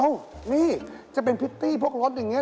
นี่จะเป็นพริตตี้พวกรถอย่างนี้